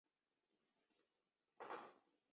县治位于漯水市。